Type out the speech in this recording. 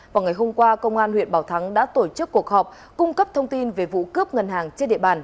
vào ngày hôm qua công an huyện bảo thắng đã tổ chức cuộc họp cung cấp thông tin về vụ cướp ngân hàng trên địa bàn